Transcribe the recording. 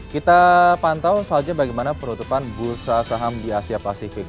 kita pantau selanjutnya bagaimana penutupan bursa saham di asia pasifik